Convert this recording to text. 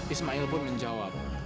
ismail pun menjawab